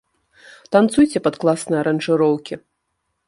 Танцуйце пад класныя аранжыроўкі.